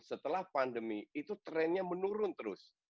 setelah pandemi itu trennya menurun terus